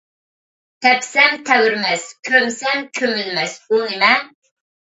« تەپسەم تەۋرىمەس ، كۆمسەم كۆمۇلمەس» ئۇ نىمە ؟